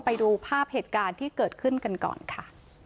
ไปดูภาพเหตุการณ์ที่เกิดขึ้นกันก่อนค่ะ